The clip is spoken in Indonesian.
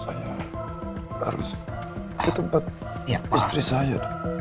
harus ke tempat istri saya